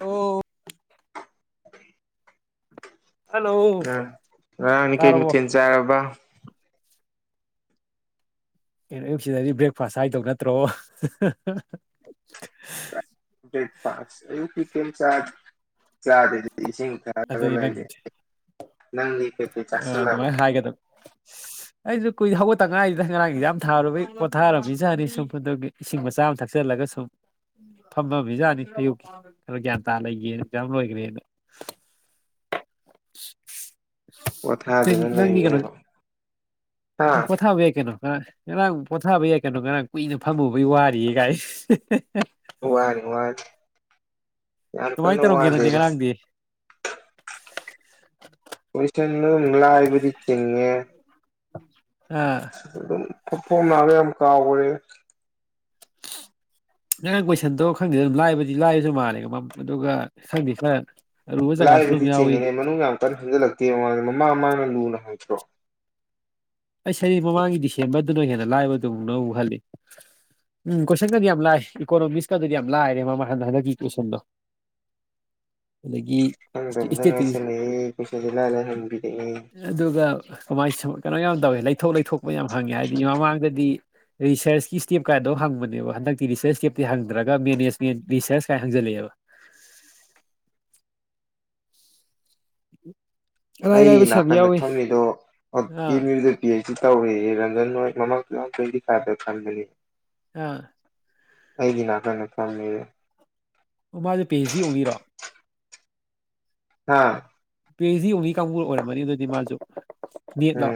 ꯑꯣ ꯍꯜꯂꯣ ꯑ ꯉꯔꯥꯡꯒꯤ ꯀꯩ ꯇꯥꯔꯕꯣ ꯃꯊꯦꯜ ꯆꯥꯔꯕ ꯀꯩꯅꯣ ꯑꯌꯨꯛꯁꯤꯗꯗꯤ ꯕ꯭ꯔꯦꯛꯐꯥꯁ ꯍꯥꯏꯗꯧ ꯅꯠꯇ꯭ꯔꯣ ꯕꯔꯦꯛꯐꯥꯁ ꯑꯌꯨꯛꯀꯤ ꯀꯩꯝꯆꯥ ꯆꯥꯕꯨꯗꯤ ꯏꯁꯤꯡ ꯊꯛꯑꯒ ꯑꯗꯨꯅꯤ ꯂꯩꯔꯦ ꯅꯪꯗꯤ ꯅꯪꯗꯤ ꯀꯩꯀꯩ ꯑ ꯆꯥꯁꯤꯜꯂꯕ ꯑꯗꯨꯃꯥꯏꯅ ꯍꯥꯏꯒꯗꯕ ꯑꯩꯁꯨ ꯀꯨꯏꯗꯤ ꯍꯧꯒꯠꯇ ꯉꯥꯏꯔꯤꯗ ꯉꯔꯥꯡꯒꯤ ꯑꯦꯖꯥꯝ ꯊꯥꯔꯨꯕꯩ ꯄꯣꯊꯥꯔꯝꯃꯤꯖꯥꯠꯅꯤ ꯁꯨꯝ ꯐꯨꯠꯇꯒꯤ ꯏꯁꯤꯡ ꯃꯆꯥ ꯑꯃ ꯊꯛꯆꯜꯂꯒ ꯁꯨꯝ ꯐꯝꯃꯃꯤꯖꯥꯅꯤ ꯑꯌꯨꯛꯀꯤ ꯈꯔ ꯒ꯭ꯌꯥꯟ ꯇꯥ ꯂꯩꯒꯦꯅ ꯑꯦꯖꯥꯝ ꯂꯣꯏꯈ꯭ꯔꯦꯅ ꯎꯝ ꯄꯣꯊꯥꯗꯨꯅ ꯅꯪꯒꯤ ꯀꯩꯅꯣ ꯂꯩꯔꯤꯅꯦꯕ ꯍꯥ ꯄꯣꯊꯥꯕ ꯌꯥꯏ ꯀꯩꯅꯣ ꯉꯔꯥꯡ ꯄꯣꯊꯥꯕ ꯌꯥꯏ ꯀꯩꯅꯣ ꯉꯔꯥꯡ ꯀꯨꯏꯅ ꯐꯝꯃꯨꯕꯩ ꯋꯥꯔꯤꯌꯦ ꯀꯥꯏ ꯋꯥꯗꯦ ꯋꯥꯗꯦ ꯀꯃꯥꯏꯅ ꯇꯧꯔꯝꯒꯦ ꯅꯪꯗꯤ ꯉꯔꯥꯡꯗꯤ ꯀꯣꯏꯁꯟꯗꯣ ꯂꯥꯏꯕꯗꯤ ꯆꯤꯡꯉꯦ ꯑꯥ ꯑꯗꯨꯝ ꯐꯣꯐꯣꯡ ꯅꯥꯕ ꯌꯥꯝ ꯀꯥꯎꯒꯔꯦ ꯅꯪ ꯀꯣꯏꯁꯟꯗꯣ ꯈꯪꯗꯦ ꯑꯗꯨꯝ ꯂꯥꯏꯕꯗꯤ ꯂꯥꯏꯔꯁꯨ ꯃꯥꯜꯂꯦ ꯑꯗꯨꯒ ꯈꯪꯗꯦ ꯈꯔ ꯑꯔꯨꯕ ꯖꯒꯥꯁꯨ ꯑꯗꯨꯝ ꯂꯥꯏꯕꯗꯤ ꯌꯥꯎꯋꯤ ꯆꯤꯡꯉꯤꯅꯤ ꯃꯅꯨꯡ ꯌꯥꯝ ꯀꯟꯅ ꯍꯟꯖꯤꯜꯂꯛꯇꯦ ꯃꯃꯥꯡꯗ ꯃꯃꯥꯡ ꯃꯃꯥꯡꯅ ꯂꯨꯅ ꯍꯪꯉꯛꯇ꯭ꯔꯣ ꯑꯩꯁꯑꯩ ꯃꯃꯥꯡꯒꯤ ꯗꯤꯁꯦꯝꯕꯔꯗꯨꯅ ꯍꯦꯟꯅ ꯂꯥꯛꯏꯕꯗꯨꯃꯨꯛꯅ ꯑꯃꯨꯛ ꯈꯜꯂꯤ ꯎꯝ ꯀꯣꯏꯁꯟꯒꯗꯤ ꯌꯥꯝ ꯂꯥꯏ ꯏꯀꯣꯅꯣꯃꯤꯛꯁꯀꯗꯨꯗꯤ ꯌꯥꯝ ꯂꯥꯏꯔꯦ ꯃꯥꯃꯡ ꯍꯟ ꯍꯟꯗꯛꯀꯤ ꯀꯣꯏꯁꯟꯗꯣ ꯑꯗꯒꯤ ꯈꯪꯗꯕ ꯏꯁꯇꯦꯠꯇꯤ ꯉꯥꯏꯁꯜꯂꯛꯑꯦ ꯀꯣꯏꯁꯗꯤ ꯂꯥꯏ ꯂꯥꯏ ꯍꯪꯕꯤꯔꯛꯑꯦ ꯑꯗꯨꯒ ꯀꯃꯥꯏ ꯁꯨ ꯀꯩꯅꯣ ꯌꯥꯝ ꯇꯧꯑꯦ ꯂꯩꯊꯣꯛ ꯂꯩꯊꯣꯛꯄ ꯌꯥꯝ ꯍꯪꯉꯦ ꯍꯥꯏꯗꯤ ꯃꯃꯥꯡꯗꯗꯤ ꯔꯤꯁꯔꯁꯀꯤ ꯏꯁꯇꯦꯞ ꯀꯥꯏꯗꯣ ꯍꯪꯕꯅꯦꯕ ꯍꯟꯗꯛꯇꯤ ꯔꯤꯁꯔꯁ ꯏꯁꯇꯦꯞꯇꯤ ꯍꯪꯗ꯭ꯔꯒ ꯃꯦꯅꯦꯖꯃꯦꯟ ꯔꯤꯁꯔꯁ ꯀꯥꯏ ꯍꯖꯜꯂꯛꯑꯦꯕ ꯎ ꯑꯩꯒꯤ ꯅꯥꯀꯟꯗ ꯐꯝꯃꯤꯗꯣ ꯑꯒ ꯑꯥ MU P H C ꯇꯧꯒꯔꯤ Ranjan ꯍꯣꯏ ꯃꯃꯥꯡ ꯇꯨ ꯊꯥꯎꯖꯟ ꯇ꯭ꯋꯦꯟꯇꯤ ꯐꯥꯏꯚꯇ ꯈꯟꯕꯅꯤ ꯑꯥ ꯑꯩꯒꯤ ꯅꯥꯀꯟꯗ ꯐꯝꯃꯦ ꯑꯣ ꯃꯥꯁꯦ ꯄꯦ ꯑꯦꯁ ꯗꯤ ꯑꯣꯡꯂꯤꯔꯣ ꯍꯥꯥ ꯄꯤ ꯑꯦꯁ ꯗꯤ ꯑꯣꯡꯂꯤ ꯀꯥꯡꯕꯨ ꯑꯣꯏꯔꯝꯃꯅꯤ ꯑꯗꯨꯗꯤ ꯃꯥꯁꯨ ꯅꯦꯠ ꯂꯣ ꯎꯝ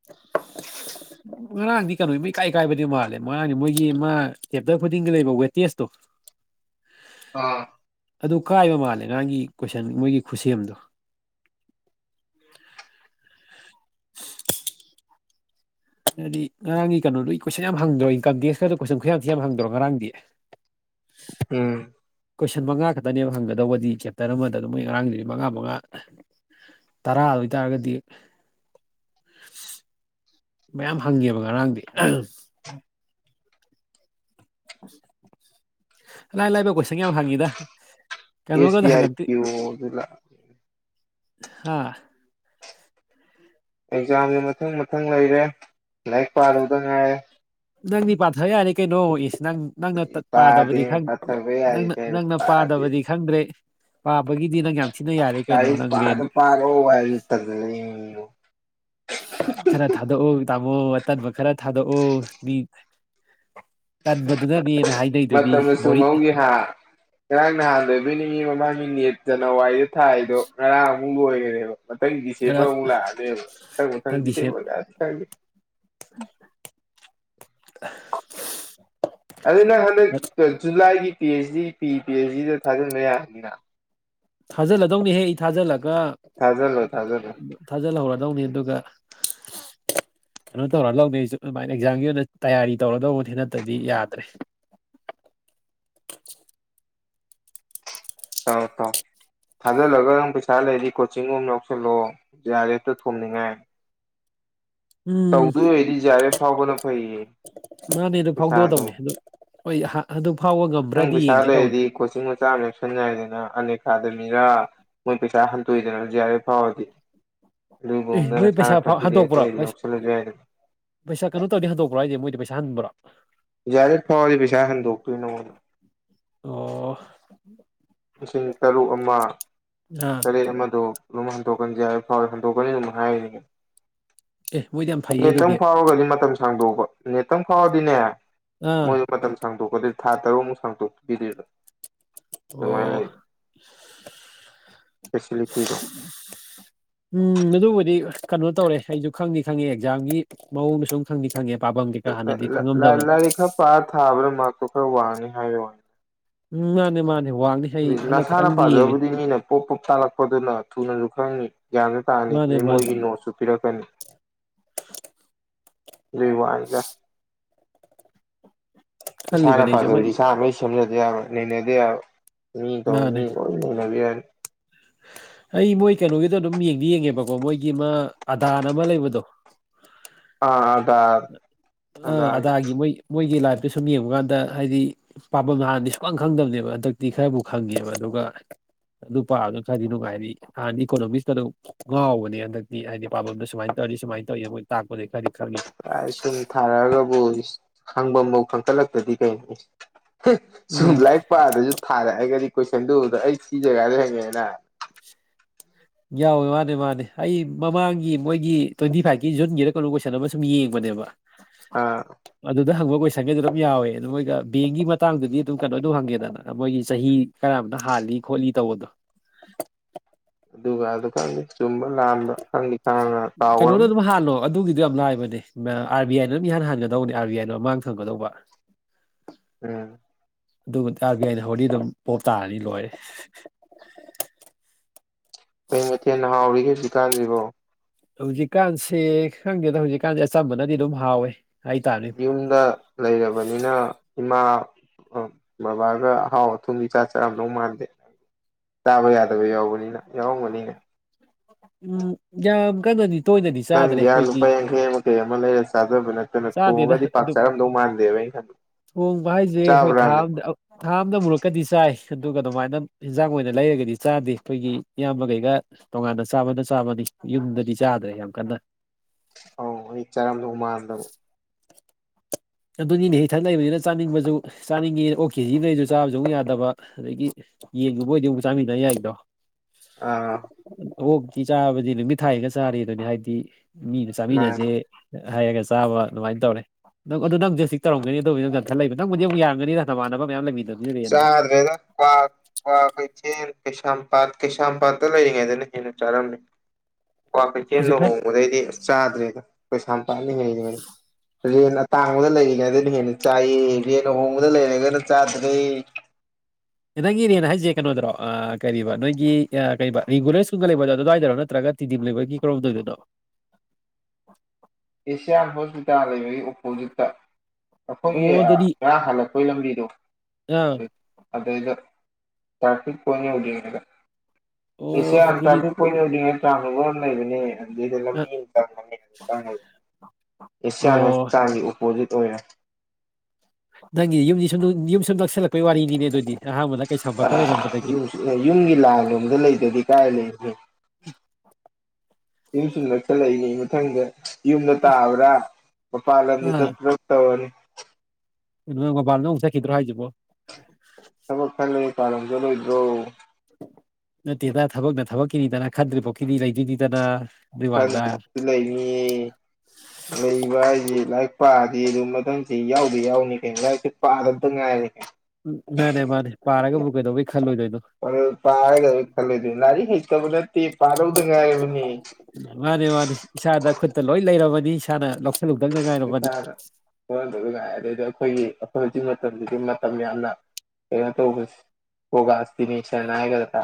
[inaudible] ꯉꯔꯥꯡꯗꯤ ꯀꯩꯅꯣꯃꯥ ꯏꯃꯩꯀꯥꯏ ꯀꯥꯏꯕꯗꯤ ꯃꯥꯜꯂꯦ ꯉꯔꯥꯡꯗꯤ ꯃꯣꯏꯒꯤ ꯃꯥ ꯄꯦꯞꯄꯔ ꯈꯨꯗꯤꯡꯒꯤ ꯂꯩꯕ ꯋꯦꯇꯦꯁꯇꯣ ꯑꯥ ꯑꯗꯨ ꯀꯥꯏꯕ ꯃꯥꯜꯂꯦ ꯉꯥꯔꯡꯒꯤ ꯀꯣꯏꯁꯟ ꯃꯣꯏꯒꯤ ꯈꯨꯠꯁꯦꯝꯗꯣ ꯍꯥꯏꯗꯤ ꯉꯔꯥꯡꯒꯤ ꯀꯩꯅꯣꯗꯨꯒꯤ ꯀꯣꯏꯁꯟ ꯌꯥꯝ ꯍꯪꯗ꯭ꯔꯣ ꯏꯟꯀꯝ ꯇꯦꯛꯁ ꯀꯗꯣ ꯀꯣꯏꯁꯟ ꯈꯨꯕꯣꯝ ꯊꯤ ꯌꯥꯝ ꯍꯪꯗ꯭ꯔꯣ ꯉꯔꯥꯡꯗꯤ ꯎꯝ ꯀꯣꯏꯁꯟ ꯃꯉꯥ ꯈꯛꯇꯅꯦꯕ ꯍꯪꯒꯗꯧꯕꯗꯤ ꯆꯦꯞꯇꯔ ꯑꯃꯗ ꯑꯗꯨꯝ ꯃꯣꯏ ꯉꯔꯥꯡꯗꯨꯗꯤ ꯃꯉꯥ ꯃꯉꯥ ꯇꯔꯥ ꯑꯣꯏꯇꯥꯔꯒꯗꯤ ꯃꯌꯥꯝ ꯍꯪꯉꯦꯕ ꯉꯔꯥꯡꯗꯤ ꯂꯥꯏ ꯂꯥꯏꯕ ꯀꯣꯏꯁꯟ ꯌꯥꯝ ꯍꯪꯉꯤꯗ ꯑꯦꯁ ꯀꯩꯅꯣꯒꯗꯣ ꯕꯤ ꯑꯥꯏ ꯍꯪꯉꯛꯇꯦ ꯄꯤ ꯑꯣ ꯍꯥ ꯑꯦꯛꯖꯥꯝꯁꯦ ꯃꯊꯪ ꯃꯊꯪ ꯂꯩꯔꯦ ꯂꯥꯏꯔꯤꯛ ꯄꯥꯔꯨꯗ ꯉꯥꯏꯔꯦ ꯅꯪꯅꯤ ꯄꯊꯥ ꯌꯥꯔꯦ ꯀꯩꯩꯅꯣ ꯏꯁ ꯅꯪ ꯅꯪꯅ ꯄꯥꯗꯦ ꯄꯥꯗꯕꯗꯤ ꯄꯥꯊꯕ ꯌꯥꯔꯤꯈꯩ ꯅꯪꯅ ꯄꯥꯗꯦ ꯄꯥꯗꯕꯗꯤ ꯈꯪꯗ꯭ꯔꯦ ꯄꯥꯕꯒꯤꯗꯤ ꯅꯪ ꯌꯥꯝ ꯊꯤꯅ ꯌꯥꯔꯦ ꯀꯩꯅꯣ ꯂꯥꯏꯔꯤꯛ ꯅꯪ ꯔꯦꯟ ꯄꯥꯗ ꯄꯥꯔꯣ ꯍꯥꯏꯁꯨ ꯇꯟꯖꯜꯂꯛ ꯢꯅꯦꯕꯣ ꯈꯔ ꯊꯥꯗꯣꯛꯑꯣ ꯇꯥꯃꯣ ꯑꯇꯟꯕ ꯈꯔ ꯊꯥꯗꯣꯛꯑꯣ ꯃꯤ ꯇꯟꯕꯗꯨꯅꯅꯦꯅ ꯍꯥꯏꯅꯩꯗꯨꯅꯤ ꯃꯇꯝꯅ ꯕꯣꯔꯤꯡ ꯆꯨꯝꯍꯧꯈꯤ ꯍꯥ ꯉꯔꯥꯡ ꯅꯍꯥꯟꯗ ꯑꯣꯏꯕꯣꯏ ꯅꯤꯡꯏ ꯃꯃꯥꯡꯒꯤ ꯅꯤꯠ ꯖꯅꯋꯥꯔꯤꯗ ꯊꯥꯏꯗꯣ ꯉꯔꯥꯡꯃꯨꯛ ꯂꯣꯏꯈꯔꯦꯕ ꯃꯊꯪ ꯈꯔ ꯗꯤꯁꯦꯝꯕꯔ ꯑꯃꯨꯛ ꯂꯥꯛꯑꯅꯦꯦꯕ ꯃꯊꯪ ꯃꯊꯪ ꯈꯤꯇꯪ ꯗꯤꯁꯦꯞ ꯗꯤꯁꯦꯝꯕꯔꯗꯗꯤ ꯈꯪꯗꯦ ꯑꯣ ꯑꯗꯨ ꯅꯪ ꯍꯟꯗꯛ ꯖꯨꯂꯥꯏꯒꯤ ꯄꯤ ꯑꯩꯆ ꯗꯤ ꯄꯤ ꯄꯤ ꯑꯩꯆ ꯗꯤꯗ ꯊꯥꯖꯤꯟꯕ ꯌꯥꯕꯅꯤꯅ ꯊꯥꯖꯤꯜꯂꯗꯧꯅꯤꯍꯦ ꯑꯩ ꯊꯥꯖꯤꯜꯂꯒ ꯊꯥꯖꯜꯂꯣ ꯊꯥꯖꯜꯣ ꯊꯥꯖꯤꯜꯍꯧꯔꯗꯧꯅꯤ ꯑꯗꯨꯒ ꯀꯩꯅꯣ ꯇꯧꯔ ꯂꯧꯅꯩ ꯑꯩꯁꯨ ꯑꯗꯨꯃꯥꯏꯅ ꯑꯦꯛꯖꯥꯝꯒꯤ ꯑꯣꯏꯅ ꯇꯌꯥꯔꯤ ꯇꯧꯔꯗꯧꯕꯗꯤ ꯅꯠꯇꯗꯤ ꯌꯥꯗ꯭ꯔꯦ ꯇ ꯇꯥꯎ ꯊꯥꯖꯤꯜꯂꯒ ꯄꯩꯁꯥ ꯂꯩꯔꯤ ꯀꯣꯆꯤꯡ ꯔꯣꯝ ꯌꯥꯎꯁꯜꯂꯛꯑꯣ ꯗꯤ ꯑꯥꯔꯦꯇ ꯊꯣꯝꯅꯤꯡꯉꯥꯏ ꯎꯝ ꯇꯧꯗꯣꯏ ꯑꯣꯏꯔꯗꯤ ꯖꯤ ꯑꯥꯔ ꯑꯦꯐ ꯐꯥꯎꯕꯅ ꯐꯩꯌꯦ ꯃꯥꯅꯦ ꯑꯗꯨ ꯄꯩꯁꯥꯗꯣ ꯐꯥꯎꯗꯣꯛꯑꯗꯧꯅꯦ ꯑꯗꯨ ꯍꯣꯏ ꯑꯗꯨꯛ ꯐꯥꯎꯕꯒ ꯅꯪ ꯄꯩꯁꯥ ꯂꯩꯔꯗꯤ ꯀꯣꯆꯤꯡ ꯃꯆꯥ ꯑꯃ ꯂꯦꯎꯁꯟꯉꯥꯏꯗꯅ ꯑꯟ ꯑꯦꯀꯥꯗꯃꯤꯔꯥ ꯃꯣꯏ ꯄꯩꯁꯥ ꯍꯟꯇꯣꯛꯏꯗꯅ ꯌꯥꯔꯦ ꯐꯥꯎꯔꯗꯤ ꯑꯦ ꯑꯂꯨꯕꯣꯝꯗꯅ ꯃꯣꯏ ꯄꯩꯁꯥ ꯁꯥꯔꯀ ꯐꯗꯦ ꯍꯟꯗꯣꯛꯄ꯭ꯔꯣ ꯑꯩꯈ ꯌꯥꯎꯁꯜꯂꯁꯨ ꯌꯥꯏꯗꯅ ꯄꯩꯁꯥ ꯀꯩꯅꯣ ꯇꯧꯗꯤ ꯍꯟꯗꯣꯛꯄ꯭ꯔꯥ ꯍꯥꯏꯗꯤ ꯃꯣꯏꯗ ꯄꯩꯁꯥ ꯍꯟꯕ꯭ꯔꯥ ꯌꯥꯖꯔꯦꯠ ꯐꯥꯎꯔꯗꯤ ꯄꯩꯁꯥ ꯍꯟꯗꯣꯛꯇꯣꯏꯅꯣꯉꯣꯟꯗ ꯑꯣ ꯎꯝ ꯂꯤꯁꯤꯡ ꯇꯔꯨꯛ ꯑꯃ ꯑꯥ ꯇꯔꯦꯠ ꯑꯃꯗꯣ ꯑꯗꯨꯝ ꯍꯟꯗꯣꯛꯀꯟꯁꯦ ꯍꯥꯏꯕ ꯐꯥꯎꯔꯦ ꯍꯟꯗꯣꯛꯀꯅꯤ ꯑꯗꯨꯝ ꯍꯥꯏꯔꯤꯅꯦ ꯑꯦ ꯃꯣꯏꯗꯤ ꯌꯥꯝ ꯐꯩꯌꯦ ꯑꯗꯨꯗꯤ ꯅꯦꯠꯇꯪ ꯐꯥꯎꯔꯒꯗꯤ ꯃꯇꯝ ꯁꯥꯡꯗꯣꯛꯄ ꯅꯦꯠꯇꯪ ꯐꯥꯎꯔꯗꯤꯅꯦ ꯑꯥ ꯃꯣꯏꯁꯨ ꯃꯇꯝ ꯁꯥꯡꯗꯣꯛꯀꯗꯣꯏ ꯊꯥ ꯇꯔꯨꯛꯃꯨꯛ ꯁꯥꯡꯇꯣꯛꯄꯤꯗ꯭ꯔꯤꯗꯣ ꯑꯣ ꯑꯗꯨꯉ ꯂꯩ ꯐꯦꯁꯤꯂꯤꯇꯤꯗꯣ ꯎꯝ ꯑꯗꯨꯕꯨꯗꯤ ꯀꯩꯅꯣ ꯇꯧꯔꯦ ꯑꯩꯁꯨ ꯈꯪꯉ ꯈꯪꯉꯤ ꯑꯦꯛꯖꯥꯝꯒꯤ ꯃꯑꯣꯡꯗ ꯁꯨꯝ ꯈꯪꯗꯤ ꯈꯪꯉꯦ ꯄꯥꯐꯝ ꯀꯩꯀꯥ ꯍꯥꯟꯅꯗꯤ ꯈꯪꯉꯝꯗꯕꯅ ꯄꯥ ꯊꯥꯕ꯭ꯔꯥ ꯃꯥ ꯈꯔ ꯋꯥꯡꯅꯤ ꯍꯥꯏ ꯋꯥꯅꯤ ꯎꯝ ꯃꯥꯅꯦ ꯃꯥꯅꯦ ꯋꯥꯡꯅꯤ ꯗꯤ ꯑꯩ ꯍꯟꯗꯛ ꯅꯁꯥꯅ ꯈꯇꯪꯗꯤ ꯌꯦꯡꯉꯦ ꯄꯥꯖꯕꯕꯨꯗꯤ ꯃꯤꯅ ꯄꯣꯞ ꯄꯣꯞ ꯇꯥꯜꯂꯛꯄꯗꯨꯅ ꯊꯨꯅꯁꯨ ꯈꯪꯉꯤ ꯒ꯭ꯌꯥꯟꯁꯨ ꯇꯥꯅꯤ ꯃꯥꯅꯦ ꯑꯗꯩ ꯃꯥꯅꯦ ꯃꯣꯏꯒꯤ ꯅꯣꯠꯁꯨ ꯄꯤꯔꯛꯀꯅꯤ ꯑꯗꯨꯣꯏ ꯋꯥꯅꯤꯗ ꯏꯁꯥꯅ ꯈꯜꯂꯤꯕꯅꯦ ꯑꯩꯁꯨ ꯑꯃ ꯄꯥꯖꯕꯗꯤ ꯏꯁꯥꯅ ꯑꯩ ꯁꯦꯝꯖꯗꯦ ꯌꯥꯕ ꯅꯩꯅꯗꯦ ꯌꯥꯕ ꯃꯤꯗꯧ ꯃꯥꯅꯦ ꯃꯤ ꯂꯣꯏ ꯅꯩꯅꯕ ꯌꯥꯅꯤ ꯑꯩ ꯃꯣꯏ ꯀꯩꯅꯣꯒꯤꯗꯣ ꯑꯗꯨꯝ ꯌꯦꯡꯗꯤ ꯌꯦꯡꯉꯦꯕꯀꯣ ꯃꯣꯏꯒꯤ ꯑꯃ ꯑꯗꯥꯟ ꯑꯃ ꯂꯩꯕꯗꯣ ꯑ ꯑꯗ ꯑꯥ ꯑꯗꯦ ꯑꯗꯥꯒꯤ ꯃꯣꯏ ꯃꯣꯏꯒꯤ ꯂꯥꯏꯐꯇ ꯁꯨꯝ ꯌꯦꯡꯕ ꯀꯥꯟꯗ ꯍꯥꯏꯗꯤ ꯄꯥꯐꯝꯝ ꯍꯥꯟꯗꯤ ꯁꯨꯛꯈꯪ ꯈꯪꯗꯕꯅꯦꯕ ꯍꯟꯗꯛꯇꯤ ꯈꯔꯕꯨ ꯈꯪꯉꯦꯕ ꯑꯗꯨꯒ ꯂꯄꯥꯗ ꯈꯔꯗꯤ ꯅꯨꯡꯉꯥꯏꯔꯤ ꯍꯥꯟꯅ ꯏꯀꯣꯅꯣꯃꯤꯛꯁꯇ ꯑꯗꯨ ꯉꯥꯎꯕꯅꯦ ꯍꯟꯗꯛꯇꯤ ꯍꯥꯏꯗꯤ ꯄꯥꯐꯝꯝꯗ ꯁꯨꯃꯥꯏꯅ ꯇꯧꯔꯤ ꯁꯨꯃꯥꯏꯅ ꯇꯧꯔꯤ ꯃꯣꯏ ꯇꯥꯛꯄꯅꯤ ꯈꯔꯤ ꯈꯜꯂꯤ ꯄꯥꯏ ꯁꯨꯝ ꯊꯥꯔꯛꯑꯒꯕꯨ ꯍꯪꯐꯝꯐꯥꯎ ꯈꯪꯀꯠꯂꯛꯇꯄꯗꯤ ꯀꯩꯅꯣ ꯁꯨꯝ ꯎꯝ ꯂꯥꯏꯔꯤꯛ ꯄꯥꯗꯁꯨ ꯊꯥꯔꯛꯑꯒꯗꯤ ꯀꯣꯏꯁꯟꯗꯨꯗ ꯑꯩ ꯁꯤ ꯖꯒꯥꯗ ꯍꯪꯉꯛꯦꯅ ꯌꯥꯎꯋꯦ ꯃꯥꯅꯦ ꯃꯥꯅꯦ ꯑꯩ ꯃꯃꯥꯡꯒꯤ ꯃꯣꯏꯒꯤ ꯇ꯭ꯋꯦꯟꯇꯤ ꯐꯥꯏꯚꯀꯤ ꯖꯨꯟꯒꯤꯗ ꯀꯩꯅꯣ ꯀꯣꯏꯁꯟ ꯑꯃ ꯁꯨꯝ ꯌꯦꯡꯕꯅꯦꯕ ꯑ ꯑꯗꯨꯗ ꯍꯪꯕ ꯀꯣꯏꯁꯟꯒꯩꯗ ꯑꯗꯨꯝ ꯌꯥꯎꯋꯦ ꯑꯗꯨ ꯃꯣꯏꯒ ꯕꯦꯡꯒꯤ ꯃꯇꯥꯡꯗꯨꯗꯤ ꯑꯗꯨꯝ ꯀꯩꯅꯣ ꯇꯝ ꯍꯪꯒꯦꯗꯅ ꯃꯣꯏꯒꯤ ꯆꯍꯤ ꯀꯔꯝꯕꯇ ꯍꯥꯜꯂꯤ ꯈꯣꯠꯂꯤ ꯇꯧꯕꯗꯣ ꯑꯗꯨꯒ ꯑꯗꯨꯀꯥꯟꯗ ꯆꯨꯝꯕ ꯂꯥꯝꯕ ꯀꯩꯅꯗ ꯑꯗꯨ ꯍꯥꯜꯣ ꯑꯗꯨꯒꯤꯗꯤꯣ ꯌꯥꯝ ꯂꯥꯏꯕꯅꯦ ꯑꯥꯔ ꯕꯤ ꯑꯥꯏꯅ ꯑꯗꯨꯝ ꯏꯍꯥꯟ ꯍꯥꯟꯒꯗꯧꯕꯅꯤ ꯑꯥꯔ ꯕꯤ ꯑꯥꯏꯅ ꯃꯃꯥꯡ ꯊꯝꯒꯗꯧꯕ ꯎꯝ ꯑꯗꯨꯩꯅ ꯍꯧꯣꯔꯗꯤ ꯑꯗꯨꯝ ꯄꯣ ꯇꯥꯔꯅꯤ ꯂꯣꯏꯔꯦ ꯀ ꯃꯊꯦꯜ ꯍꯥꯎꯔꯤꯒꯦ ꯍꯧꯖꯤꯛꯀꯥꯟꯁꯤꯕꯣ ꯍꯧꯖꯤꯛꯀꯥꯟꯁꯦ ꯈꯪꯗꯦꯗ ꯍꯧꯖꯤꯛꯀꯥꯟꯁꯦ ꯑꯆꯝꯕꯅꯗꯤ ꯑꯗꯨꯝ ꯍꯥꯎꯋꯦ ꯍꯥꯏꯇꯥꯔꯦ ꯌꯨꯝꯗ ꯂꯩꯔꯕꯅꯤꯅ ꯏꯃꯥ ꯑ ꯕꯥꯒ ꯍꯥꯎ ꯊꯨꯝꯃꯤ ꯆꯥ ꯆꯔꯝ ꯂꯧ ꯃꯥꯔꯗꯦ ꯆꯥꯕ ꯌꯥꯗꯕ ꯌꯥꯎꯕꯅꯤꯅ ꯌꯥꯎꯔꯝꯒꯅꯤꯅ ꯎꯝ ꯌꯥ ꯀꯗꯥꯗꯤ ꯅꯪꯒꯤ ꯂꯨꯄꯥ ꯌꯥꯡꯈꯩ ꯑꯃꯈꯩ ꯑꯃ ꯂꯩꯔ ꯆꯥꯗꯕ ꯅꯠꯇꯅ ꯆꯥꯗꯦꯗ ꯊꯣꯡꯉꯒꯗꯤ ꯄꯥꯛ ꯆꯥꯔꯝꯗꯧ ꯃꯥꯜꯂꯤ ꯗꯕ ꯍ ꯍꯣꯡꯕ ꯍꯥꯏꯁꯦ ꯍꯣꯏ ꯊꯥ ꯑꯗ ꯊꯥꯝꯗ ꯃꯨꯔꯛꯀꯗꯤ ꯆꯥꯏ ꯑꯗꯨꯒ ꯑꯗꯨꯃꯥꯏꯅ ꯏꯟꯖꯥꯡ ꯑꯣꯏꯅ ꯂꯩꯔꯒꯗꯤ ꯆꯥꯗꯦ ꯑꯩꯈꯣꯏꯒꯤ ꯏꯌꯥꯝꯕꯈꯩꯒ ꯇꯣꯉꯥꯟꯅ ꯆꯥꯕꯅ ꯆꯥꯕꯅꯤ ꯌꯨꯝꯗꯗꯤ ꯆꯥꯗ꯭ꯔꯦ ꯌꯥꯝ ꯀꯟꯅ ꯑꯣ ꯑꯩ ꯆꯥꯔꯝꯗꯒ ꯃꯥꯟꯅꯗꯕ ꯑꯗꯨꯅꯤꯅꯦ ꯍꯦꯛꯊꯪ ꯂꯩꯕꯅꯤꯅ ꯆꯥꯅꯤꯡꯕꯁꯨ ꯆꯥꯅꯤꯡꯉꯦ ꯑꯣ ꯀꯦꯖꯤ ꯂꯩꯁꯨ ꯆꯥꯕꯁꯨ ꯑꯃꯨꯛ ꯌꯥꯗꯕ ꯑꯗꯒꯤ ꯌꯦꯡꯉꯨꯕꯣꯏꯗꯤꯕꯨ ꯆꯥꯃꯤꯟꯅ ꯌꯥꯏꯗꯣ ꯑꯥ ꯑꯣꯛꯇꯤ ꯆꯥꯕꯗꯤ ꯅꯨꯃꯤꯠ ꯊꯥꯏꯒ ꯆꯥꯔꯤ ꯑꯗꯨꯅꯤ ꯍꯥꯏꯕꯗꯤ ꯃꯤꯅ ꯆꯥꯃꯤꯟꯅꯁꯦ ꯃꯥꯅꯤ ꯍꯩꯔꯒ ꯆꯥꯕ ꯑꯗꯨꯃꯥꯏꯅ ꯇꯧꯔꯦ ꯅꯪ ꯑꯗꯨ ꯅꯪꯁꯨꯖꯤꯛꯧꯔꯝꯒꯅꯤ ꯑꯗꯨꯕꯨ ꯅꯪ ꯆꯟꯊꯠꯛꯕ ꯅꯪꯕꯨꯗꯤ ꯑꯃꯨꯛꯡꯒꯅꯤꯅ ꯅꯃꯥꯟꯅꯕ ꯃꯌꯥꯝ ꯂꯩꯕꯤꯗꯅ ꯆꯥ ꯐꯦꯗ ꯀ꯭ꯥꯛ ꯀ꯭ꯋꯥꯛ ꯀꯩꯊꯦꯜ ꯀꯩꯁꯥꯝꯄꯥꯠ ꯀꯩꯁꯥꯝꯄꯥꯠꯇ ꯂꯩꯔꯤꯉꯩꯗꯅ ꯍꯦꯟꯅ ꯆꯥꯔꯝꯃꯦ ꯀ꯭ ꯀꯩꯊꯦꯜ ꯂꯨ ꯍꯧꯖꯤꯛ ꯈꯔ ꯍꯣꯡꯕꯗꯩꯗꯤ ꯑꯁ ꯆꯥꯗ꯭ꯔꯦꯗ ꯄꯩꯁꯥꯝ ꯄꯥꯅꯤꯡꯉꯅꯤꯡꯉꯗ ꯔꯦꯟ ꯑꯇꯥꯡꯕꯗ ꯂꯩꯔꯤꯉꯩꯗꯅ ꯍꯦꯟꯅ ꯆꯥꯏꯌꯦ ꯔꯦꯟ ꯑꯍꯣꯡꯕꯗ ꯂꯩꯔꯒꯅ ꯆꯥꯗꯩ ꯅꯪꯒꯤꯅꯦꯦꯅ ꯍꯥꯏꯁꯦ ꯀꯩꯅꯣꯗꯔꯣ ꯀꯔꯤꯕ ꯅꯣꯏꯒꯤ ꯀ ꯔꯤꯒꯨꯂꯔ ꯁ꯭ꯀꯒ ꯂꯩꯕꯗꯣ ꯑꯗꯨꯋꯥꯏꯗꯔꯣ ꯅꯠꯇ꯭ꯔꯒ ꯇꯤꯗꯤꯝ ꯂꯩꯕꯔ ꯀꯔꯝꯗꯣꯏꯅꯣ ꯑꯦꯁꯤꯌꯥꯟ ꯍꯣꯁꯄꯤꯇꯥꯜ ꯂꯩꯕꯒꯤ ꯑꯣꯄꯣꯖꯤꯠꯇ ꯑꯩꯈꯣꯏꯒꯤ ꯑꯣ ꯑꯗꯨꯗꯤ ꯈꯔ ꯍꯜꯂꯛꯄ ꯀꯣꯏꯂꯝꯝꯕꯤꯗꯣ ꯑꯥ ꯑꯗꯩꯗ ꯇ꯭ꯔꯥꯐꯤꯛꯟ ꯑꯣ ꯍꯗꯤꯗꯁꯤ ꯑꯗꯨꯗꯤ ꯇꯥꯐꯤꯛ ꯀꯣꯏꯅ ꯎꯔꯤꯉꯩ ꯆꯥꯡꯅꯕ ꯑꯃ ꯂꯩꯕꯅꯦ ꯑꯗꯨꯏꯗ ꯑꯥ ꯂꯝꯕꯤ ꯑꯃ ꯀꯅꯤꯪ ꯑꯦꯁꯤꯌꯥꯟ ꯑꯣ ꯍꯣꯁꯄꯤꯇꯥꯜꯒꯤ ꯑꯣꯄꯣꯖꯤꯠ ꯑꯣꯏꯔꯦ ꯅꯪꯒꯤ ꯌꯨꯝꯗꯤ ꯁꯨꯝꯨꯝ ꯌꯨꯝ ꯁꯨꯝ ꯅꯛꯁꯤꯜꯂꯛꯄꯒꯤ ꯋꯥꯔꯤꯅꯤꯅꯦ ꯑꯗꯨꯏꯗꯤ ꯑ ꯃ ꯀꯩ ꯌꯨꯝ ꯌꯨꯝꯒꯤ ꯂꯥꯡꯂꯣꯝꯗ ꯂꯩꯗꯗꯤ ꯀꯥꯏ ꯂꯩꯁꯦ ꯎꯝ ꯌꯨꯝ ꯁꯨꯝ ꯅꯛꯁꯜꯂꯛꯏꯅꯦ ꯃꯊꯪꯗ ꯌꯨꯝꯗ ꯏꯁ ꯇꯥꯕ꯭ꯔꯥ ꯃꯄꯜ ꯂꯝꯗ ꯆꯠꯇꯄ꯭ꯔꯥ ꯇꯅꯤ ꯃꯣꯕꯥꯜꯗ ꯍꯣꯡꯖꯈꯤꯗ꯭ꯔꯣ ꯍꯥꯏꯁꯤꯕꯣ ꯊꯕꯛ ꯈꯜꯂ ꯀꯥꯔꯖꯔꯣꯏꯗ꯭ꯔꯣ ꯅꯠꯇꯦꯗ ꯊꯕꯛꯅ ꯊꯕꯛꯀꯤꯅꯤꯗꯅ ꯈꯟꯗ꯭ꯔꯤꯐꯥꯎꯀꯤꯗꯤ ꯂꯩꯗꯣꯏꯅꯤꯗꯅ ꯑꯗꯨꯏ ꯋꯥꯅꯤꯗ ꯈꯪꯗ ꯂꯩꯅꯤꯌꯦ ꯂꯩꯕ ꯍꯥꯏꯁꯤꯦ ꯂꯥꯏꯔꯤꯛ ꯄꯥꯗꯤ ꯑꯗꯨ ꯃꯊꯪꯁꯤ ꯌꯥꯎꯗꯤ ꯌꯥꯎꯅꯤ ꯀꯩ ꯂꯥꯏꯔꯤꯛꯁꯦ ꯄꯥꯗꯕꯇ ꯉꯥꯏꯔꯦ ꯀꯩ ꯎꯝ ꯃꯥꯅꯦ ꯃꯥꯅꯦ ꯄꯥꯔꯒꯕꯨꯨꯛ ꯀꯩꯗꯧꯕꯩ ꯈꯜꯂꯣꯏꯗꯣꯏꯅꯣ ꯄꯥꯔꯒ ꯈꯜꯂꯗꯤ ꯅꯥꯥꯔꯤꯛ ꯍꯩꯇꯕ ꯅꯠꯇꯦ ꯄꯥꯔꯧꯗ ꯉꯥꯏꯔꯕꯅꯤ ꯃꯥꯅꯤ ꯃꯥꯅꯤ ꯏꯁꯥꯗ ꯈꯨꯠꯇ ꯂꯣꯏ ꯂꯩꯔꯕꯅꯤ ꯏꯁꯥꯅ ꯂꯧ ꯗꯒ ꯐꯔ ꯍꯗ ꯉꯥꯏ ꯑ ꯑꯗꯨꯗꯩꯗꯤ ꯑꯩꯈꯣꯏꯒꯤ ꯑꯩꯈꯣꯏ ꯍꯧꯖꯤꯛ ꯃꯇꯝꯁꯤꯗꯤ ꯃꯇꯝ ꯌꯥꯝꯅ ꯀꯩꯅꯣ ꯇꯧꯕꯁ ꯍꯒꯁꯇꯅꯤ ꯆꯅꯥ ꯍꯥꯏ ꯀꯗ꯭ꯔ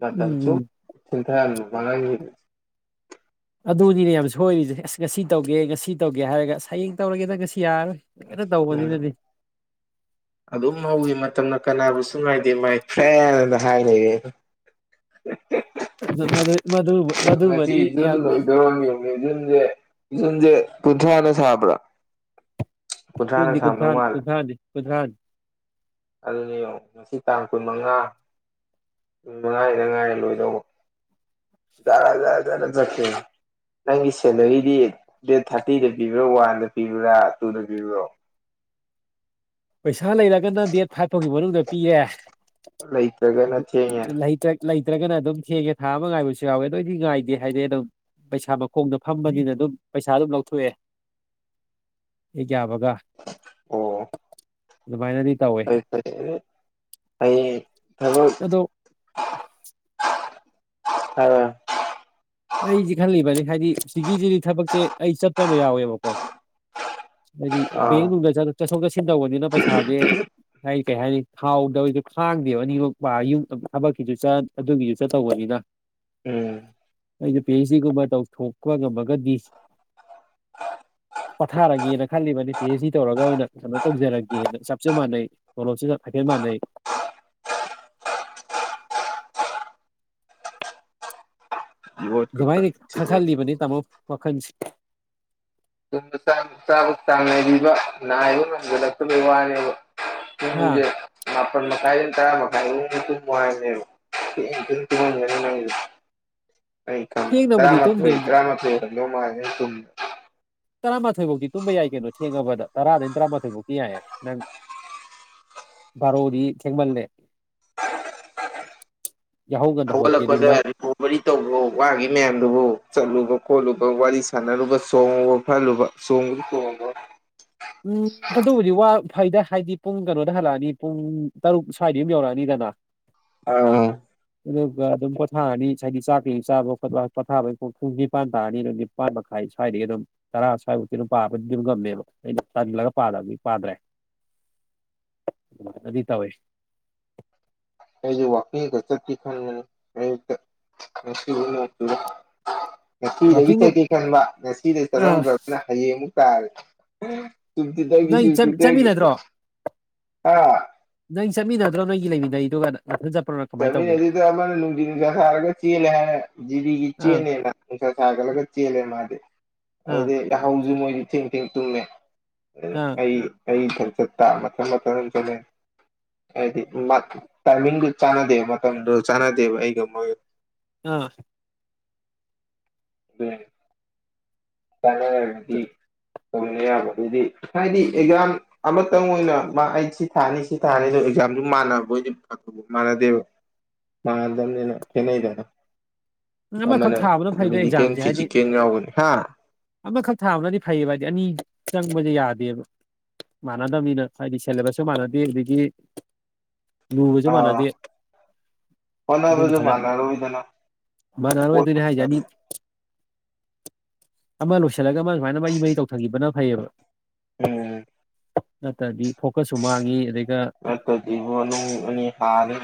ꯅ ꯇ ꯎꯝ ꯆꯁꯨ ꯎꯝ ꯆꯟꯊꯔ ꯃꯉ ꯑꯗꯨꯅꯤꯅꯦ ꯌꯥꯝ ꯁꯣꯏꯔꯤꯁꯦ ꯑꯁ ꯉꯁꯤ ꯇꯧꯒꯦ ꯉꯁꯤ ꯇꯧꯒꯦ ꯍꯥꯏꯔꯒ ꯍꯌꯦꯡ ꯇꯧꯔꯒꯦꯗ ꯉꯁꯤ ꯌꯥꯔꯔꯣꯏ ꯂꯣꯏꯅ ꯎꯝ ꯇꯧꯕꯅꯤꯅꯅꯦ ꯑꯗꯨꯝ ꯍꯧꯋꯤ ꯃꯇꯝꯅ ꯀꯅꯥꯕꯨꯁꯨ ꯉꯥꯏꯗꯦ ꯃꯥꯏꯐ꯭ꯔꯦꯅ ꯍꯥꯏꯂꯩꯌꯦ ꯍꯦꯛ ꯍꯦꯛ ꯗꯗ ꯃꯗꯨꯕꯥ ꯉꯁꯤ ꯖꯨꯟ ꯂꯣꯏꯗꯧꯔ꯭ꯕꯅꯤ ꯌꯦꯡꯉꯨꯅꯦ ꯖꯨꯟꯁꯦ ꯖꯨꯟꯁꯦ ꯀꯨꯟꯊ꯭ꯔꯥꯅ ꯁꯕ꯭ꯔꯥ꯫ ꯖꯨꯟꯗꯤ ꯀꯨꯟꯊ꯭ꯔꯥꯅꯤ ꯃꯥꯜꯂꯦ ꯀꯨꯟꯊ꯭ꯔꯥꯅꯤ ꯀꯨꯟꯊ꯭ꯔꯥꯅꯤ ꯑꯗꯨꯅꯤ ꯌꯦꯡꯉꯣ ꯉꯁꯤ ꯇꯥꯡ ꯀꯨꯟ ꯃꯉꯥ ꯅꯨꯃꯤꯠ ꯃꯉꯥꯅꯤꯗꯥ ꯉꯥꯏꯔꯦ ꯂꯣꯏꯗꯧꯕ ꯖꯔꯖꯔ ꯖꯔ ꯆꯠꯈꯤꯅꯤ꯫ ꯅꯪꯒꯤ ꯁꯦꯂꯔꯤꯗꯤ ꯗꯦꯠ ꯊꯥꯔꯇꯤꯗ ꯄꯤꯕ꯭ꯔꯥ ꯋꯥꯟꯗ ꯄꯤꯕ꯭ꯔꯥ ꯇꯨꯗ ꯄꯤꯕ꯭ꯔꯣ ꯄꯩꯁꯥ ꯂꯩꯔꯒꯅ ꯗꯦꯠ ꯐꯥꯏꯚ ꯐꯥꯎꯒꯤ ꯃꯅꯨꯡꯗ ꯄꯤꯌꯦꯦ ꯂꯩꯇ꯭ꯔꯒꯅ ꯊꯦꯡꯉꯦ ꯂꯩꯇꯛ ꯂꯩꯇ꯭ꯔꯒꯅ ꯑꯗꯨꯝ ꯊꯦꯡꯉꯦ ꯊꯥ ꯑꯃ ꯉꯥꯏꯕꯁꯨ ꯌꯥꯎꯋꯦ ꯑꯗꯣ ꯑꯩꯗꯤ ꯉꯥꯏꯗꯦ ꯍꯥꯏꯔꯦ ꯑꯗꯨꯝ ꯄꯩꯁꯥ ꯃꯈꯣꯡꯗ ꯐꯝꯕꯅꯤꯅ ꯑꯗꯨꯝ ꯄꯩꯁꯥ ꯑꯗꯨꯝ ꯂꯧꯊꯣꯛꯑꯦ ꯍꯦꯛ ꯌꯥꯕꯒ ꯑꯣ ꯗꯨꯃꯥꯏꯅꯗꯤ ꯐꯔꯦ ꯐꯔꯦ ꯑꯗꯣ ꯍꯥꯏꯔꯣ ꯂꯩꯖꯤ ꯈꯜꯂꯤꯕꯅꯤ ꯍꯥꯏꯗꯤ ꯍꯤꯒꯤ ꯍꯤꯖꯤꯒꯤ ꯊꯕꯛꯁꯦ ꯑꯩ ꯆꯠꯄ ꯑꯃ ꯌꯥꯎꯋꯦꯕꯀꯣ ꯍꯥꯏꯗꯤ ꯑꯥ ꯕꯦꯡꯀꯨꯝꯕꯗ ꯆꯠꯂ ꯆꯠꯊꯣꯛ ꯆꯠꯁꯤꯟ ꯇꯧꯕꯅꯤꯅ ꯄꯩꯁꯥꯥꯖꯦ ꯍꯥꯏ ꯀꯩ ꯍꯥꯏꯅꯤ ꯊꯥꯎꯗꯑꯣꯏꯔꯁꯨ ꯈꯥꯡꯗꯦꯕ ꯑꯅꯤꯃꯛ ꯄ꯭ꯔꯒ ꯌꯨꯝ ꯊꯕꯛꯀꯤꯁꯨ ꯆꯇ ꯑꯗꯨꯒꯤꯁꯨ ꯆꯠ ꯇꯧꯕꯅꯤꯅ꯫ ꯑꯔ ꯑꯩꯅ ꯄꯤ ꯑꯩꯆ ꯗꯤ ꯒꯨꯝꯕ ꯇꯧꯊꯣꯛꯄ ꯉꯝꯃꯒꯗꯤ ꯑꯥ ꯄꯠꯊꯥꯔꯒꯦꯅ ꯈꯜꯂꯤꯕ ꯄꯤ ꯑꯩꯆ ꯗꯤ ꯇꯧꯔꯒ ꯑꯣꯏꯅ ꯀꯩꯅꯣ ꯇꯧꯖꯔꯒꯦꯅ ꯆꯞꯁꯨ ꯃꯥꯟꯅꯩ ꯇꯣꯂꯣꯞ ꯁꯤꯒ ꯍꯥꯏꯈꯩ ꯃꯅꯩ ꯌꯣꯠ ꯀꯀꯥ ꯑꯗꯨꯃꯥꯏꯅ ꯈꯥꯍꯜ ꯇꯨꯝꯕ ꯈꯥꯍꯜꯂꯤꯕꯅꯤ ꯇꯥꯃꯣ ꯋꯥꯈꯜꯁꯤ ꯇꯨꯝꯕ ꯆꯥꯕ ꯆꯕ ꯆꯥꯡ ꯅꯥꯏꯕꯤꯕ ꯉꯥꯏꯕ ꯉꯝꯖꯜꯂꯛꯇꯕꯩ ꯋꯥꯅꯦꯕ꯫ ꯍꯥ ꯄꯨꯡꯖꯦ ꯃꯄꯟ ꯃꯈꯥꯏꯗꯩꯅ ꯇꯔꯥ ꯃꯈꯥꯏꯕꯨꯛ ꯃꯅꯨꯡꯗꯥ ꯇꯨꯝꯃꯨ ꯍꯥꯏꯕꯅꯦꯕ ꯄꯦꯟꯅ ꯑꯃꯨꯛꯇ ꯇꯨꯝꯒꯦ꯫ ꯑꯩꯅ ꯈꯪꯕꯗ ꯊꯦꯡꯅꯕꯨꯗꯤ ꯇꯨꯝꯗꯦ ꯇꯔꯥꯃꯊꯣꯏ ꯑꯩꯁꯦ ꯇꯔꯥꯃꯊꯣꯏ ꯍꯦꯟꯜꯝꯗꯧ ꯃꯥꯜꯂꯦ ꯅꯪꯅ ꯇꯨꯝꯕꯗ꯫ ꯇꯔꯥꯃꯥꯊꯣꯏꯐꯧꯗꯤ ꯇꯨꯝꯕ ꯌꯥꯏ ꯀꯩꯅꯣ ꯊꯦꯡꯉꯕꯗ ꯇꯔꯥꯗꯩꯅ ꯇꯔꯥꯃꯥꯊꯣꯏꯐꯧꯗꯤ ꯌꯥꯏꯌꯦ ꯅꯪ ꯕꯥꯔꯣꯗꯤ ꯊꯦꯡꯃꯜꯂꯦ ꯌꯥꯍꯧ ꯉꯟꯅ ꯍꯧꯒꯠꯀꯦꯗꯤ ꯃꯥꯏ ꯋꯥꯔꯤ ꯇꯧꯕ꯭ꯔꯣ ꯋꯥꯒꯤ ꯃꯌꯥꯝꯗꯨꯕꯣ ꯆꯠꯂꯨꯕ ꯈꯣꯠꯂꯨꯕ ꯋꯥꯔꯤ ꯁꯥꯟꯅꯔꯨꯕ ꯁꯣꯡꯉꯨꯕ ꯐꯜꯂꯨꯕ꯫ ꯆꯣꯡꯕꯨꯗꯤ ꯆꯣꯡꯕꯔꯣ ꯎꯝ ꯑꯗꯨꯕꯨꯗꯤ ꯋꯥ ꯐꯩꯗ ꯍꯥꯏꯗꯤ ꯄꯨꯡ ꯀꯩꯅꯣꯗ ꯍꯜꯂꯛꯑꯅꯤ ꯄꯨꯡ ꯇꯔꯨꯛ ꯁ꯭ꯋꯥꯏꯗ ꯌꯨꯝ ꯌꯧꯔꯛꯑꯅꯤꯗꯅ꯫ ꯑ꯬꯬꯬ ꯑꯗꯨꯒ ꯑꯗꯨꯝ ꯄꯣꯊꯥꯔꯅꯤ ꯍꯥꯏꯗꯤ ꯆꯥꯛ ꯀꯩ ꯆꯥꯕ ꯈꯣꯠꯄ ꯄꯣꯊꯥꯕꯒꯤ ꯄꯨꯡ ꯄꯨꯡ ꯅꯤꯄꯥꯟ ꯇꯥꯔꯅꯤ ꯑꯗꯨꯗꯤ ꯅꯤꯄꯥꯥꯟ ꯃꯈꯥꯏ ꯁ꯭ꯋꯥꯏꯗꯒꯤ ꯑꯗꯨꯝ ꯇꯔꯥ ꯁ꯭ꯋꯥꯏꯃꯨꯛꯇꯤ ꯑꯗꯨꯝ ꯄꯥꯕꯗꯤ ꯑꯗꯨꯝ ꯉꯝꯃꯦꯕ ꯑꯩꯅ ꯇꯜꯂꯒ ꯄꯥꯗꯕꯗꯤ ꯄꯥꯗ꯭ꯔꯦ ꯑꯗꯨꯏ ꯇꯧꯋꯦ ꯑꯩꯁꯨ ꯋꯥꯥꯛꯀꯤꯡ ꯆꯠꯀꯦ ꯈꯟꯕꯅꯦ ꯑꯩꯌꯨꯛꯇ ꯉꯁꯤꯃꯨꯛ ꯅꯣꯡ ꯆꯨꯔꯦ ꯉꯁꯤꯗꯒꯤ ꯋꯥꯛꯀꯤꯡꯒꯨꯝ ꯆꯠꯀꯦ ꯈꯟꯕ ꯉꯁꯤꯗꯤ ꯑ ꯆꯠꯍꯧꯗ꯭ꯔꯕꯅꯤꯅ ꯍꯌꯦꯡꯃꯨꯛ ꯇꯥꯔꯦ ꯁꯨꯝ ꯊꯦꯡꯗꯒꯤ ꯅꯪ ꯁꯨꯝ ꯊꯦꯡꯗꯒꯤ ꯆꯠꯃꯤꯟꯅꯗ꯭ꯔꯣ ꯍꯥ꯬꯬꯬꯬ ꯅꯪ ꯆꯠꯃꯤꯟꯅꯗ꯭ꯔꯣ ꯅꯣꯏꯒꯤ ꯂꯩꯃꯤꯟꯅꯩꯗꯨꯒ ꯅꯊꯟ ꯆꯠꯄ꯭ꯔꯣ ꯅꯪ ꯆꯠꯃꯤꯟꯅꯗꯦꯗꯥ ꯑꯃꯅ ꯅꯪꯗꯤꯜꯒ ꯍꯔꯥꯒ ꯆꯦꯜꯂꯦ ꯍꯥꯏꯔꯦ꯫ ꯖꯤꯗꯤꯒꯤ ꯑꯥ ꯆꯦꯜꯅꯦꯅ ꯅꯨꯡꯁ ꯁꯒꯠꯂꯒ ꯆꯦꯟꯂꯦ ꯃꯥꯗꯤ ꯑꯥ ꯌꯍꯧꯁꯨ ꯃꯣꯏꯗꯤ ꯊꯦꯡ ꯊꯦꯡ ꯇꯨꯝꯃꯦ ꯑꯗꯨꯅ ꯑꯥ ꯑꯩ ꯑꯩ ꯏꯊꯟ ꯆꯠꯇ ꯃꯊꯪ ꯃꯊꯪ ꯆꯠꯂꯦ ꯏꯩꯗꯤ ꯃꯥ ꯇꯥꯏꯃꯤꯡ ꯆꯥꯟꯅꯗꯦꯕ ꯃꯇꯝꯗꯨ ꯆꯥꯟꯅꯗꯦꯕ ꯑꯩꯒ ꯃꯣꯏꯒ ꯑꯥ ꯎ ꯀꯥꯟꯅꯔꯒꯗꯤ ꯇꯧꯅꯤ ꯌꯥꯕ ꯑꯗꯨꯗꯤ ꯍꯥꯏꯗꯤ ꯑꯦꯛꯖꯥꯝ ꯑꯃꯇꯪ ꯑꯣꯏꯅ ꯃꯥ ꯑꯩ ꯁꯤ ꯊꯥꯔꯅꯤ ꯁꯤ ꯊꯥꯔꯅꯤꯗ ꯑꯦꯛꯖꯥꯝꯗꯨ ꯃꯥꯟꯅꯕꯣꯏꯗꯤ ꯃꯥꯅ ꯗꯦꯕ ꯃꯥꯝꯅꯤꯅ ꯊꯅꯗꯅ ꯑꯃꯈꯛ ꯑꯃꯅ ꯊꯥꯕꯅ ꯐꯩꯗ ꯃꯦꯗꯤꯀꯦꯜ ꯑꯦꯛꯖꯥꯝꯁꯦ ꯍꯥꯏꯗꯤ ꯐꯤꯖꯤꯀꯦꯜ ꯌꯥꯎꯕꯅꯤ ꯍꯥ ꯑꯃꯈꯛ ꯊꯥꯕꯅꯗꯤ ꯐꯩꯌꯦꯕ ꯍꯥꯏꯗꯤ ꯑꯅꯤ ꯆꯪꯕꯁꯦ ꯌꯥꯗꯦꯕ ꯃꯥꯟꯅꯗꯕꯅꯤꯅ ꯍꯥꯏꯗꯤ ꯁꯦꯂꯦꯕꯁꯁꯨ ꯃꯥꯟꯅꯗꯦ ꯑꯗꯨꯗꯒꯤ ꯂꯨꯕꯖ ꯃꯥꯟꯗꯤ ꯑꯥ ꯍꯣꯠꯅꯕꯁꯨ ꯐꯔ ꯃꯥꯟꯅꯔꯣꯏꯗꯅ ꯔꯔ ꯑꯣꯏ ꯄꯣꯠ ꯇꯨ ꯌꯥ ꯍꯥꯏꯥꯏꯖꯅꯤ ꯑꯃ ꯂꯣꯏꯁꯤꯜꯂꯒ ꯑꯃ ꯁꯨꯃꯥꯏꯅ ꯃꯔꯤ ꯃꯔꯤ ꯇꯧꯊꯈꯤꯕꯅ ꯐꯩꯌꯦꯕ ꯎꯝ ꯅꯠꯇ꯭ꯔꯗꯤ ꯐꯣꯀꯁꯁꯨ ꯃꯥꯡꯉꯤ ꯑꯗꯩꯒ ꯖꯤꯕꯨ ꯑꯅꯤ ꯍꯥꯅꯤ